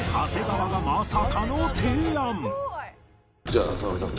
じゃあ坂上さん